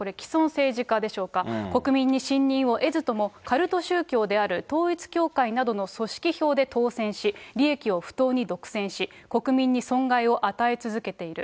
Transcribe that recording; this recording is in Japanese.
政治家でしょうか、国民にしんにんを得ずとも、カルト宗教である統一教会などの組織票で当選し、利益を不当に独占し、国民に損害を与え続けている。